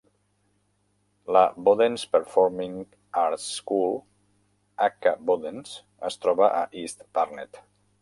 La Bodens Performing Arts School, aka Bodens, es troba a East Barnet.